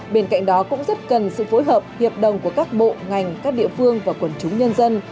bên cạnh đó cũng rất cần sự phối hợp hiệp đồng của các bộ ngành các địa phương và quần chúng nhân dân